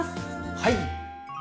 はい！